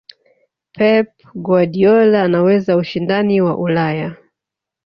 pep guardiola anaweza ushindani wa ulaya